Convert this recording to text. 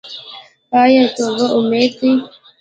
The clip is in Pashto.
آیا توبه امید دی؟